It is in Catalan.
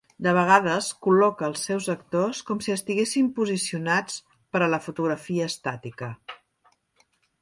De vegades col·loca als seus actors com si estiguessin posicionats per a la fotografia estàtica.